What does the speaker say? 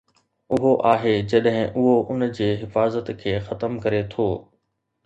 اهو آهي جڏهن اهو ان جي حفاظت کي ختم ڪري ٿو.